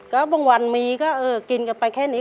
ก็บางวันมีก็กินกันไปแค่นี้